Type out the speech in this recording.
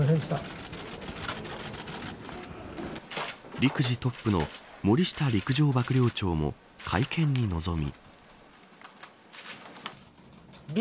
陸自トップの森下陸上幕僚長も会見に臨み。